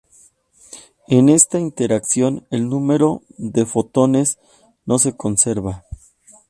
En esta interacción, el número de fotones no se conserva.